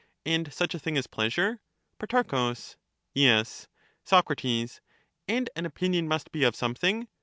And such a thing as pleasure ? Pro. Yes. Soc. And an opinion must be of something